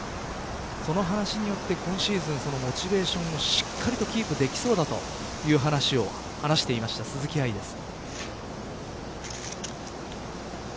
その話によって今シーズンモチベーションをしっかりとキープできそうだという話を話していました鈴木愛です。